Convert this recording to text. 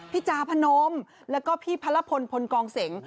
จาพนมแล้วก็พี่พระรพลพลกองเสง